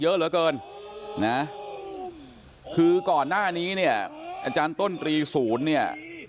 เยอะเหลือเกินนะคือก่อนหน้านี้เนี่ยอาจารย์ต้นตรีศูนย์เนี่ย